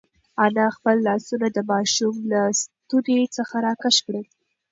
انا خپل لاسونه د ماشوم له ستوني څخه راکش کړل.